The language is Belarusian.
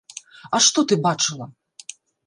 А што ты бачыла?